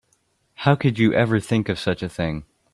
How could you ever think of such a thing?